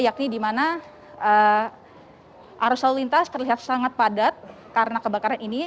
yakni di mana arus lalu lintas terlihat sangat padat karena kebakaran ini